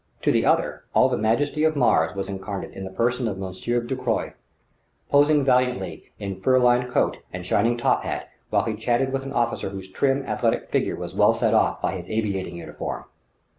To the other, all the majesty of Mars was incarnate in the person of Monsieur Ducroy, posing valiantly in fur lined coat and shining top hat while he chatted with an officer whose trim, athletic figure was well set off by his aviating uniform.